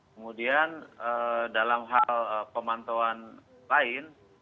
kemudian dalam hal pemantauan lain